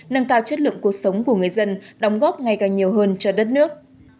nâng cao chất lượng cuộc sống của người dân đóng góp ngày càng nhiều hơn cho đất nước